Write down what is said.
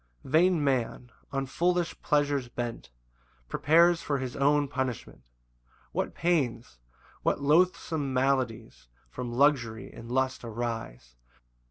1 Vain man, on foolish pleasures bent, Prepares for his own punishment; What pains, what loathsome maladies From luxury and lust arise!